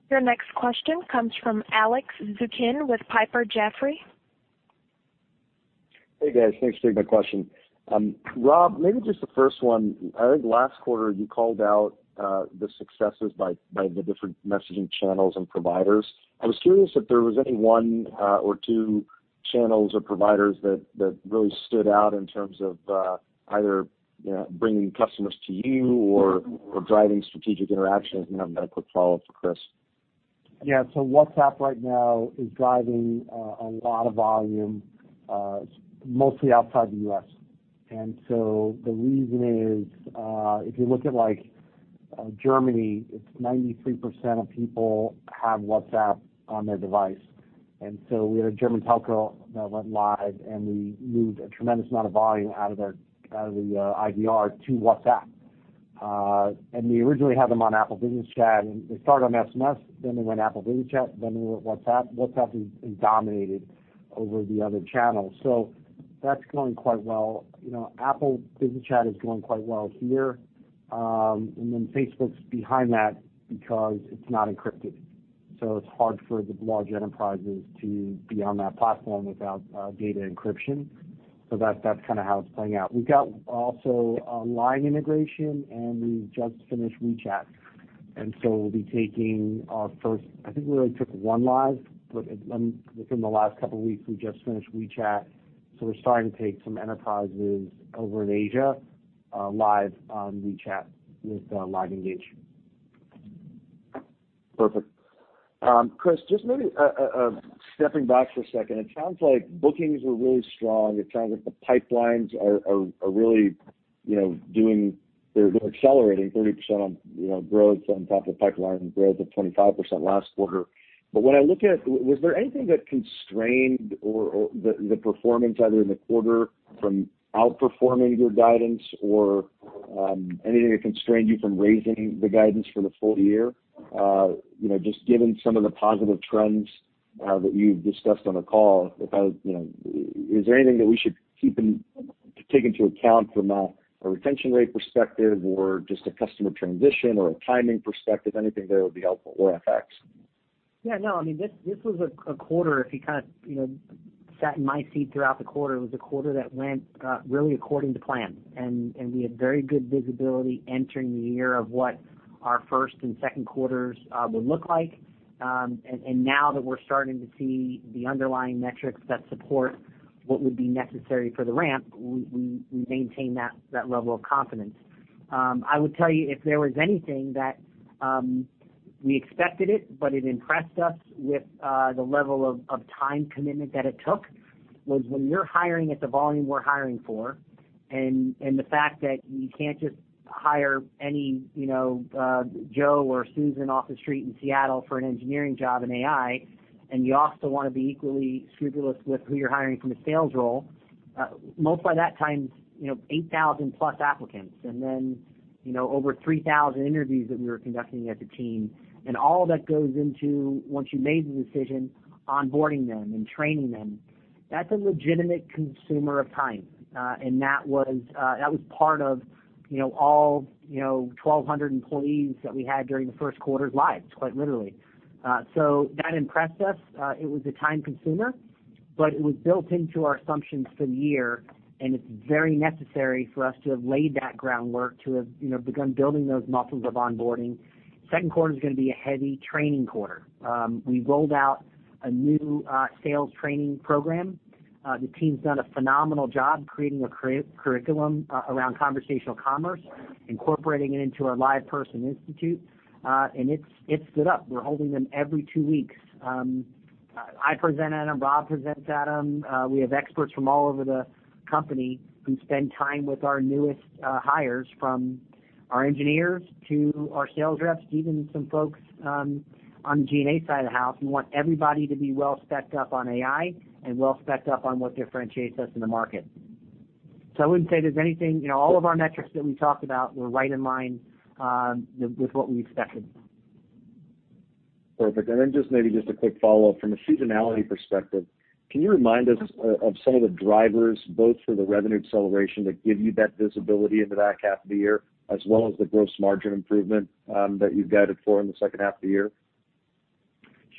Your next question comes from Alex Zukin with Piper Jaffray. Hey, guys. Thanks for taking my question. Rob, maybe just the first one. I think last quarter you called out the successes by the different messaging channels and providers. I was curious if there was any one or two channels or providers that really stood out in terms of either bringing customers to you or driving strategic interactions? And then I've got a quick follow-up for Chris. Yeah. WhatsApp right now is driving a lot of volume, mostly outside the U.S. The reason is, if you look at Germany, it's 93% of people have WhatsApp on their device. We had a German telco that went live, and we moved a tremendous amount of volume out of the IVR to WhatsApp. We originally had them on Apple Business Chat, and they started on SMS, then they went Apple Business Chat, then they went WhatsApp. WhatsApp has dominated over the other channels. That's going quite well. Apple Business Chat is going quite well here. Facebook's behind that because it's not encrypted, so it's hard for the large enterprises to be on that platform without data encryption. That's how it's playing out. We've got also a LINE integration, and we just finished WeChat. We'll be taking our first, I think we only took one live, but within the last couple of weeks, we just finished WeChat. We're starting to take some enterprises over in Asia live on WeChat with LiveEngage. Perfect. Chris, just maybe stepping back for a second. It sounds like bookings were really strong. It sounds like the pipelines are really accelerating, 30% growth on top of pipeline growth of 25% last quarter. When I look at it, was there anything that constrained the performance either in the quarter from outperforming your guidance or anything that constrained you from raising the guidance for the full year? Just given some of the positive trends that you've discussed on the call, is there anything that we should take into account from a retention rate perspective or just a customer transition or a timing perspective? Anything there would be helpful. This was a quarter, if you sat in my seat throughout the quarter, it was a quarter that went really according to plan, and we had very good visibility entering the year of what our first and second quarters would look like. Now that we're starting to see the underlying metrics that support what would be necessary for the ramp, we maintain that level of confidence. I would tell you if there was anything that we expected it, but it impressed us with the level of time commitment that it took, was when you're hiring at the volume we're hiring for, and the fact that you can't just hire any Joe or Susan off the street in Seattle for an engineering job in AI, and you also want to be equally scrupulous with who you're hiring from a sales role. Multiply that times 8,000-plus applicants, then over 3,000 interviews that we were conducting as a team, and all that goes into, once you've made the decision, onboarding them and training them. That's a legitimate consumer of time. That was part of all 1,200 employees that we had during the first quarter live, quite literally. That impressed us. It was a time consumer, but it was built into our assumptions for the year, and it's very necessary for us to have laid that groundwork to have begun building those muscles of onboarding. Second quarter's going to be a heavy training quarter. We rolled out a new sales training program. The team's done a phenomenal job creating a curriculum around conversational commerce, incorporating it into our LivePerson Institute. It's lit up. We're holding them every two weeks. I present at them, Rob presents at them. We have experts from all over the company who spend time with our newest hires, from our engineers to our sales reps, to even some folks on the G&A side of the house. We want everybody to be well specced up on AI and well specced up on what differentiates us in the market. I wouldn't say there's anything. All of our metrics that we talked about were right in line with what we expected. Perfect. Then maybe just a quick follow-up. From a seasonality perspective, can you remind us of some of the drivers, both for the revenue acceleration that give you that visibility into the back half of the year, as well as the gross margin improvement that you've guided for in the second half of the year?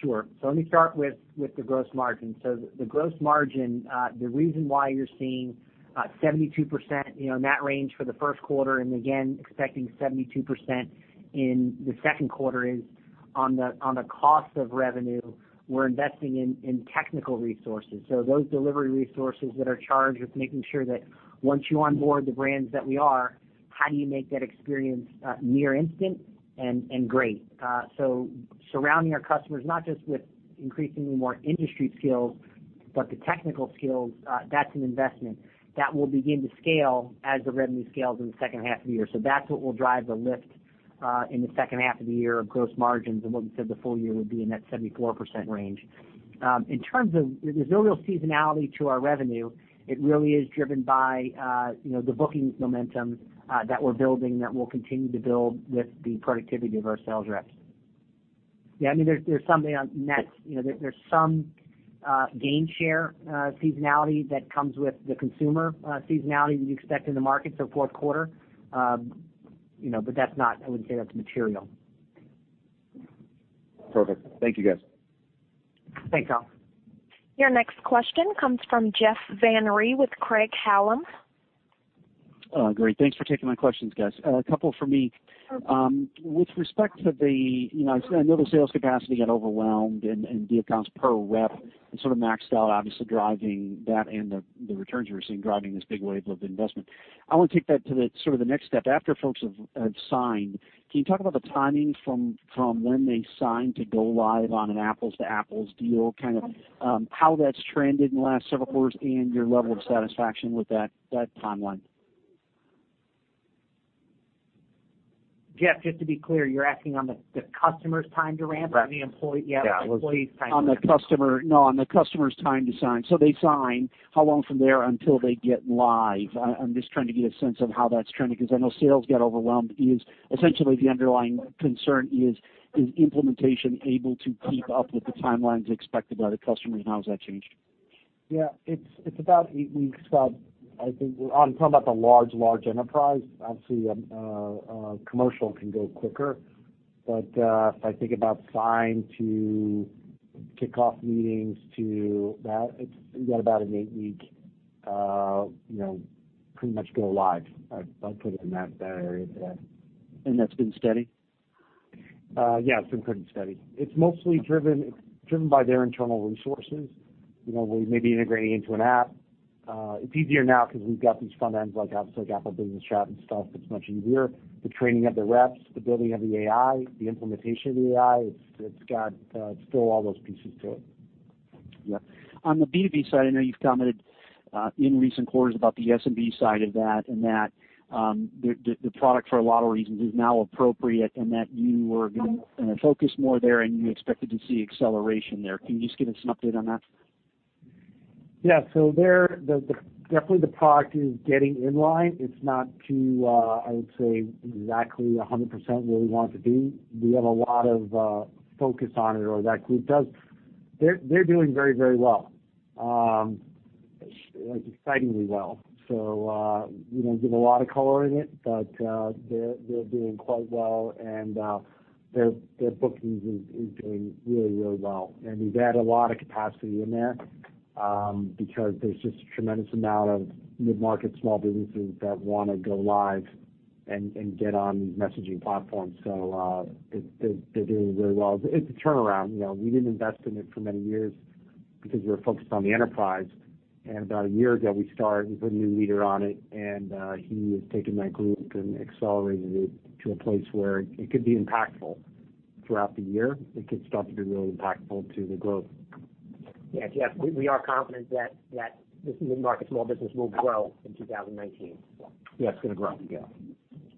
Sure. Let me start with the gross margin. The gross margin, the reason why you're seeing 72%, in that range for the first quarter, and again, expecting 72% in the second quarter, is on the cost of revenue, we're investing in technical resources. Those delivery resources that are charged with making sure that once you onboard the brands that we are, how do you make that experience near instant and great? Surrounding our customers, not just with increasingly more industry skills, but the technical skills, that's an investment. That will begin to scale as the revenue scales in the second half of the year. That's what will drive the lift in the second half of the year of gross margins, and what we said the full year would be in that 74% range. In terms of, there's no real seasonality to our revenue. It really is driven by the bookings momentum that we're building, that we'll continue to build with the productivity of our sales reps. Yeah, there's some gain share seasonality that comes with the consumer seasonality that you expect in the market for fourth quarter. I wouldn't say that's material. Perfect. Thank you, guys. Thanks, Al. Your next question comes from Jeff Van Rhee with Craig-Hallum. Great. Thanks for taking my questions, guys. A couple from me. Perfect. With respect to I know the sales capacity got overwhelmed and the accounts per rep sort of maxed out, obviously driving that and the returns you were seeing driving this big wave of investment. I want to take that to the next step. After folks have signed, can you talk about the timing from when they sign to go live on an apples-to-apples deal? How that's trended in the last several quarters and your level of satisfaction with that timeline. Jeff, just to be clear, you're asking on the customer's time to ramp? Correct or the employee? Yeah. Yeah. Employee time to ramp. No, on the customer's time to sign. They sign, how long from there until they get live? I'm just trying to get a sense of how that's trending, because I know sales got overwhelmed. Essentially, the underlying concern is implementation able to keep up with the timelines expected by the customer, and how has that changed? Yeah, it's about 8 weeks. I'm talking about the large enterprise. Obviously, commercial can go quicker. If I think about sign to kickoff meetings to that, it's about an 8-week pretty much go live. I'd put it in that area today. That's been steady? Yeah, it's been pretty steady. It's mostly driven by their internal resources. We may be integrating into an app. It's easier now because we've got these front ends, like obviously Apple Business Chat and stuff. It's much easier. The training of the reps, the building of the AI, the implementation of the AI. It's got still all those pieces to it. Yeah. On the B2B side, I know you've commented in recent quarters about the SMB side of that, and that the product for a lot of reasons is now appropriate, and that you were going to focus more there and you expected to see acceleration there. Can you just give us an update on that? Yeah. There, definitely the product is getting in line. It's not too, I would say, exactly 100% where we want it to be. We have a lot of focus on it, or that group does. They're doing very well. Like, excitingly well. We don't give a lot of color in it, but they're doing quite well, and their bookings is doing really well. We've added a lot of capacity in there because there's just a tremendous amount of mid-market small businesses that want to go live and get on these messaging platforms. They're doing very well. It's a turnaround. We didn't invest in it for many years because we were focused on the enterprise. About a year ago, we put a new leader on it, and he has taken that group and accelerated it to a place where it could be impactful throughout the year. It could start to be really impactful to the growth. Yeah, Jeff, we are confident that this mid-market small business will grow in 2019. Yeah, it's going to grow. Yeah.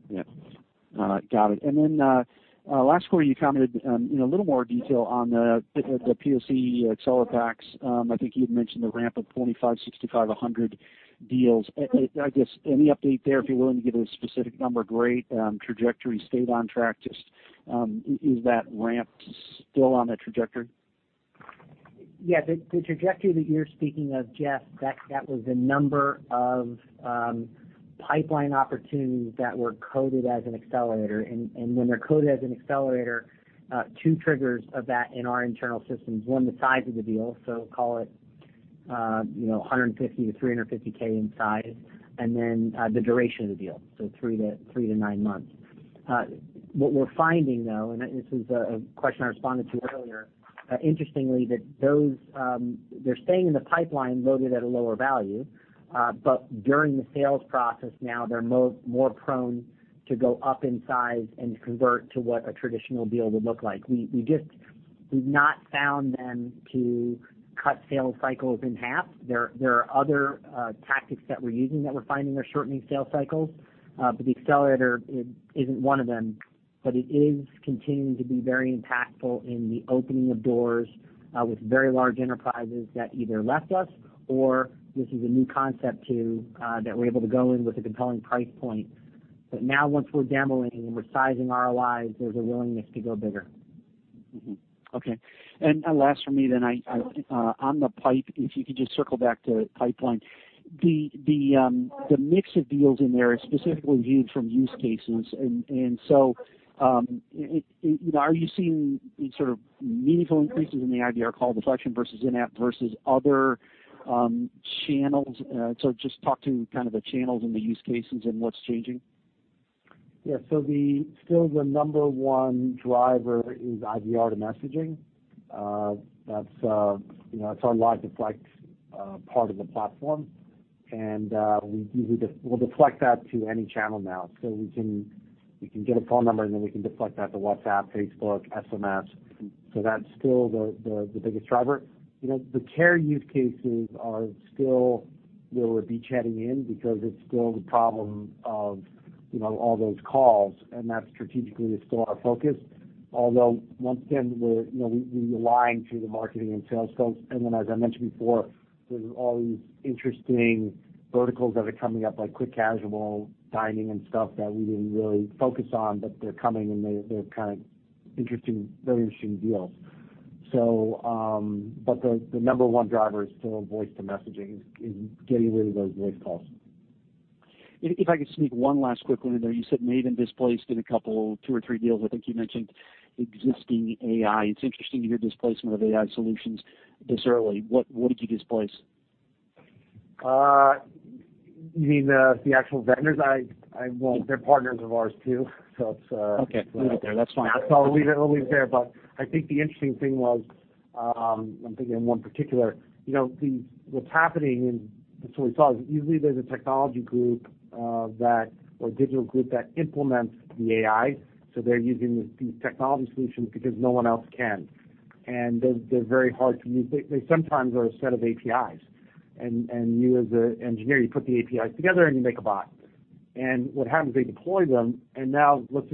Yeah. Got it. Last quarter, you commented in a little more detail on the POC Accelerator packs. I think you had mentioned the ramp of 25, 65, 100 deals. I guess, any update there? If you're willing to give a specific number, great. Trajectory stayed on track. Just is that ramp still on that trajectory? Yeah, the trajectory that you're speaking of, Jeff, that was the number of pipeline opportunities that were coded as an Accelerator. When they're coded as an Accelerator two triggers of that in our internal systems. One, the size of the deal, so call it $150K-$350K in size, and then the duration of the deal, so three to nine months. What we're finding, though, and this is a question I responded to earlier, interestingly, that they're staying in the pipeline loaded at a lower value. During the sales process now, they're more prone to go up in size and convert to what a traditional deal would look like. We've not found them to cut sales cycles in half. There are other tactics that we're using that we're finding are shortening sales cycles. The Accelerator isn't one of them. It is continuing to be very impactful in the opening of doors with very large enterprises that either left us or this is a new concept to them that we're able to go in with a compelling price point. Now once we're demoing and we're sizing ROIs, there's a willingness to go bigger. Okay. Last from me, on the pipe, if you could just circle back to pipeline. The mix of deals in there is specifically viewed from use cases. Are you seeing sort of meaningful increases in the IVR call deflection versus in-app, versus other channels? Just talk to kind of the channels and the use cases and what's changing. Yeah. Still the number 1 driver is IVR to messaging. That's our live deflect part of the platform. We'll deflect that to any channel now. We can get a phone number, and then we can deflect that to WhatsApp, Facebook, SMS. That's still the biggest driver. The care use cases are still where we're be chatting in because it's still the problem of all those calls, and that strategically is still our focus. Although once again, we align to the marketing and sales folks. As I mentioned before, there's all these interesting verticals that are coming up, like quick casual dining and stuff that we didn't really focus on, but they're coming, and they're kind of very interesting deals. The number 1 driver is still voice to messaging, is getting rid of those voice calls. If I could sneak one last quick one in there. You said you may have displaced in a couple, two or three deals, I think you mentioned existing AI. It's interesting to hear displacement of AI solutions this early. What did you displace? You mean the actual vendors? Well, they're partners of ours, too. Okay. Leave it there. That's fine. always there. I think the interesting thing was, I'm thinking of one particular. What's happening, that's what we saw, is usually there's a technology group or digital group that implements the AI. They're using these technology solutions because no one else can. They're very hard to use. They sometimes are a set of APIs. You as an engineer, you put the APIs together, and you make a bot. What happens, they deploy them, and now we've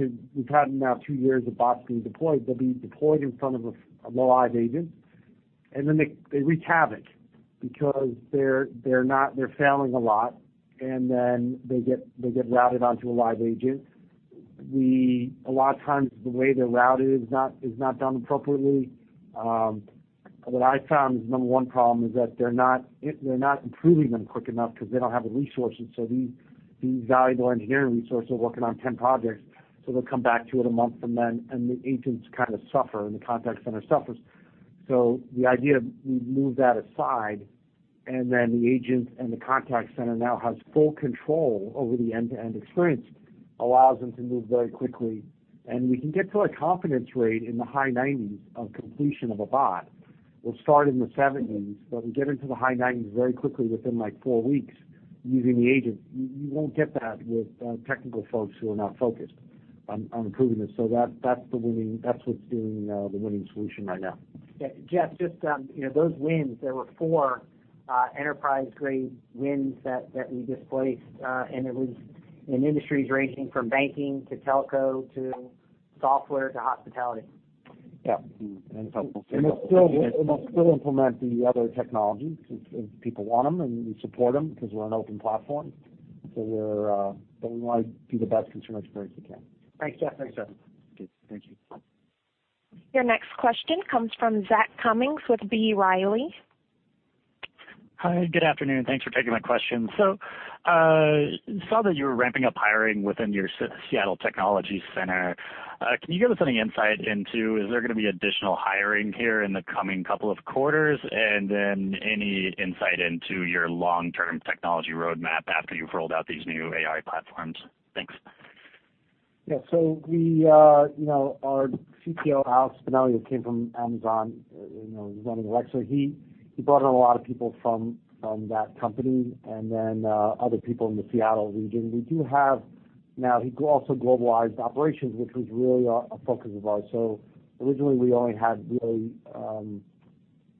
had two years of bots being deployed. They'll be deployed in front of a live agent, and then they wreak havoc because they're failing a lot, and then they get routed onto a live agent. A lot of times, the way they're routed is not done appropriately. What I found is the number 1 problem is that they're not improving them quick enough because they don't have the resources. These valuable engineering resources are working on 10 projects, they'll come back to it a month from then, and the agents kind of suffer, and the contact center suffers. The idea, we move that aside, and then the agent and the contact center now has full control over the end-to-end experience, allows them to move very quickly. We can get to a confidence rate in the high 90s of completion of a bot. We'll start in the 70s, but we get into the high 90s very quickly within four weeks using the agent. You won't get that with technical folks who are not focused on improving this. That's what's doing the winning solution right now. Jeff, just those wins, there were four enterprise-grade wins that we displaced. It was in industries ranging from banking to telco to software to hospitality. Yeah. That's helpful. We'll still implement the other technology because people want them, and we support them because we're an open platform. We want to be the best consumer experience we can. Thanks, Jeff. Thanks, Jeff. Okay. Thank you. Your next question comes from Zachary Cummins with B. Riley. Hi. Good afternoon. Thanks for taking my question. Saw that you were ramping up hiring within your Seattle Technology Center. Can you give us any insight into, is there going to be additional hiring here in the coming couple of quarters? And then any insight into your long-term technology roadmap after you've rolled out these new AI platforms? Thanks. Yeah. Our CTO, Alex Spinelli, who came from Amazon, running Alexa, he brought in a lot of people from that company and then other people in the Seattle region. We do have now, he also globalized operations, which was really a focus of ours. Originally, we only had really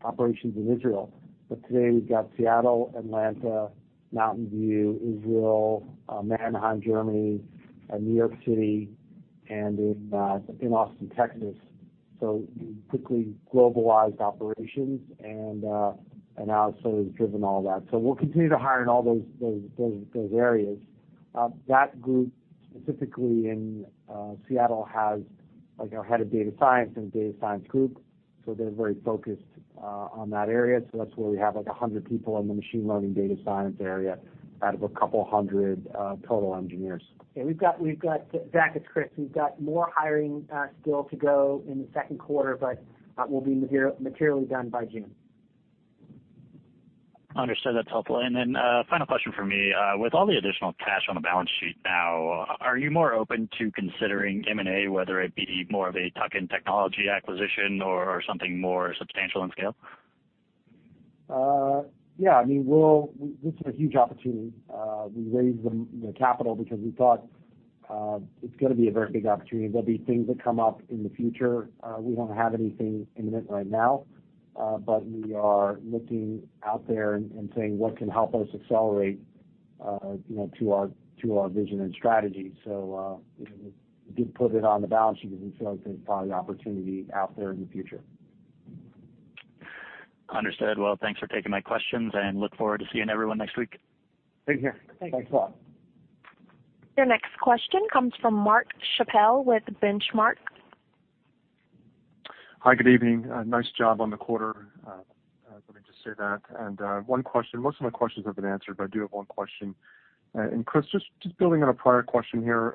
operations in Israel, but today we've got Seattle, Atlanta, Mountain View, Israel, Mannheim, Germany, New York City, and in Austin, Texas. We quickly globalized operations, and Alex really has driven all that. We'll continue to hire in all those areas. That group, specifically in Seattle, has a head of data science and a data science group, so they're very focused on that area. That's where we have 100 people in the machine learning data science area out of a couple hundred total engineers. Yeah. Zach, it's Chris. We've got more hiring still to go in the second quarter, but we'll be materially done by June. Understood. That's helpful. Final question from me. With all the additional cash on the balance sheet now, are you more open to considering M&A, whether it be more of a tuck-in technology acquisition or something more substantial in scale? Yeah. This is a huge opportunity. We raised the capital because we thought it's going to be a very big opportunity. There'll be things that come up in the future. We don't have anything imminent right now, but we are looking out there and saying, what can help us accelerate to our vision and strategy? We did put it on the balance sheet because we feel like there's probably opportunity out there in the future. Understood. Thanks for taking my questions and look forward to seeing everyone next week. Same here. Thanks a lot. Your next question comes from Mark Chappell with Benchmark. Hi. Good evening. Nice job on the quarter. Let me just say that. One question. Most of my questions have been answered, but I do have one question. Chris, just building on a prior question here,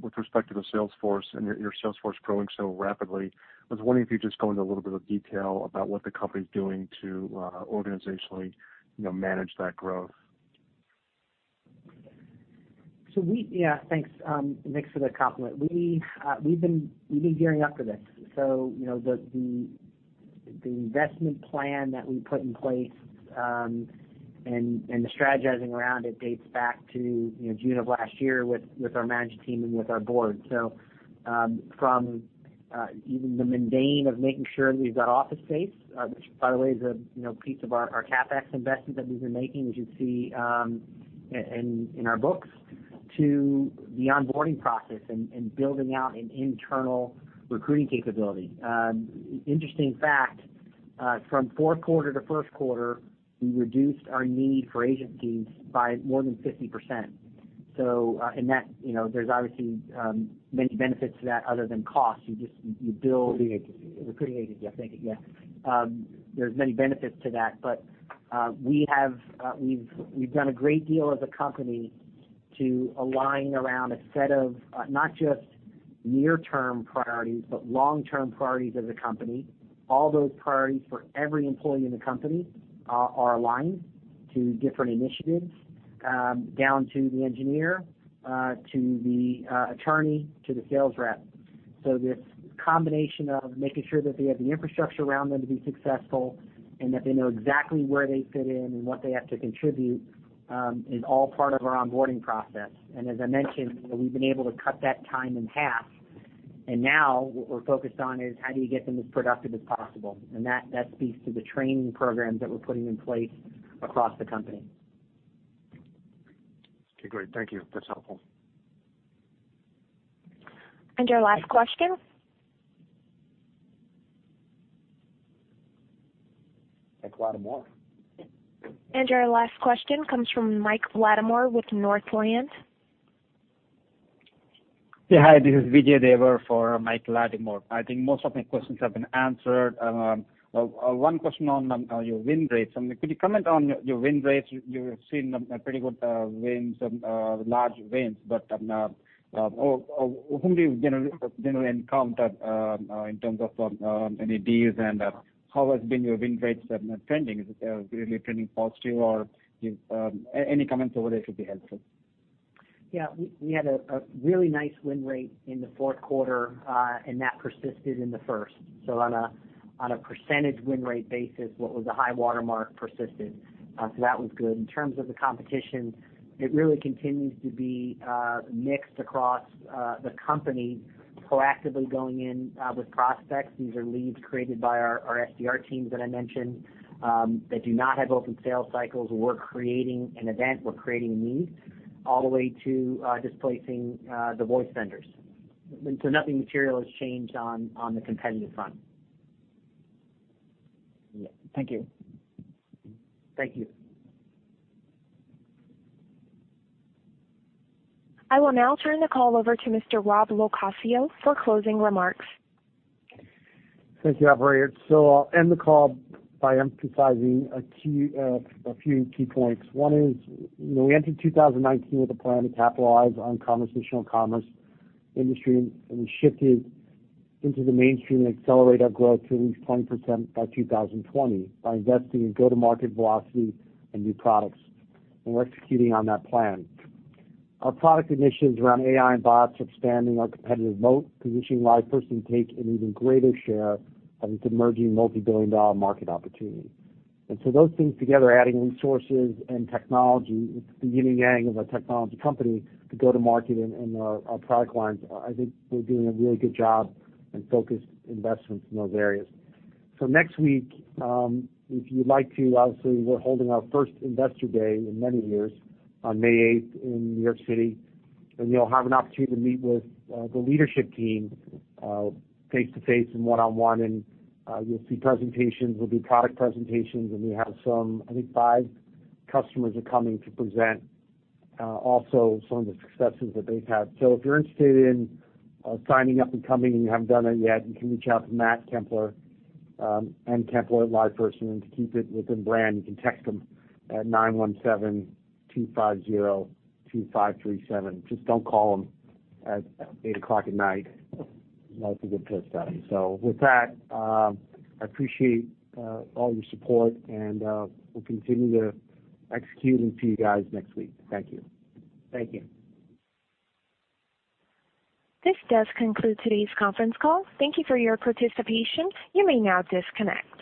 with respect to the sales force and your sales force growing so rapidly, I was wondering if you'd just go into a little bit of detail about what the company's doing to organizationally manage that growth. Yeah, thanks, Mark, for the compliment. We've been gearing up for this. The investment plan that we put in place, and the strategizing around it dates back to June of last year with our management team and with our board. From even the mundane of making sure that we've got office space, which by the way, is a piece of our CapEx investment that we've been making, as you'd see in our books, to the onboarding process and building out an internal recruiting capability. Interesting fact, from fourth quarter to first quarter, we reduced our need for agencies by more than 50%. There's obviously many benefits to that other than cost. You build- The agency. Recruiting agency. I think, yeah. There's many benefits to that. We've done a great deal as a company to align around a set of not just near-term priorities, but long-term priorities as a company. All those priorities for every employee in the company are aligned to different initiatives, down to the engineer, to the attorney, to the sales rep. This combination of making sure that they have the infrastructure around them to be successful and that they know exactly where they fit in and what they have to contribute, is all part of our onboarding process. As I mentioned, we've been able to cut that time in half. Now what we're focused on is how do you get them as productive as possible? That speaks to the training programs that we're putting in place across the company. Okay. Great. Thank you. That's helpful. Your last question. Michael Latimore. Your last question comes from Michael Latimore with Northland. Hi, this is Vijay Dever for Michael Latimore. I think most of my questions have been answered. One question on your win rates. Could you comment on your win rates? You have seen pretty good wins and large wins, but whom do you generally encounter in terms of any deals and how has been your win rates trending? Is it really trending positive? Any comments over there should be helpful. We had a really nice win rate in the fourth quarter, and that persisted in the first. On a percentage win rate basis, what was a high watermark persisted. That was good. In terms of the competition, it really continues to be mixed across the company, proactively going in with prospects. These are leads created by our SDR teams that I mentioned, that do not have open sales cycles. We're creating an event, we're creating a need, all the way to displacing the voice vendors. Nothing material has changed on the competitive front. Yeah. Thank you. Thank you. I will now turn the call over to Mr. Rob LoCascio for closing remarks. Thank you, operator. I'll end the call by emphasizing a few key points. One is, we entered 2019 with a plan to capitalize on conversational commerce industry, and we shifted into the mainstream and accelerate our growth to at least 20% by 2020 by investing in go-to-market velocity and new products. We're executing on that plan. Our product initiatives around AI and bots expanding our competitive moat, positioning LivePerson to take an even greater share of this emerging multi-billion-dollar market opportunity. Those things together, adding resources and technology, it's the yin and yang of a technology company to go to market and our product lines, I think we're doing a really good job and focused investments in those areas. Next week, if you'd like to, obviously, we're holding our first investor day in many years on May 8th in New York City, and you'll have an opportunity to meet with the leadership team face-to-face and one-on-one, and you'll see presentations. There'll be product presentations, and we have some, I think five customers are coming to present also some of the successes that they've had. If you're interested in signing up and coming and you haven't done it yet, you can reach out to Matt Kempler, mkempler@liveperson and to keep it within brand, you can text him at 917-250-2537. Just don't call him at 8:00 o'clock at night. That'll get pissed at him. With that, I appreciate all your support and we'll continue to execute and see you guys next week. Thank you. Thank you. This does conclude today's conference call. Thank you for your participation. You may now disconnect.